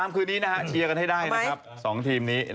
เขาเข้าได้